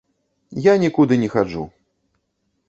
Я нікуды не хаджу.